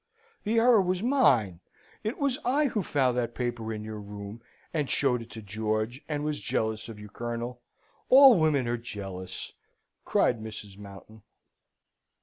"The error was mine! It was I who found that paper in your room, and showed it to George, and was jealous of you, Colonel. All women are jealous," cried Mrs. Mountain.